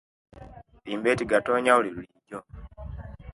Mbe tegatonya buli bulijo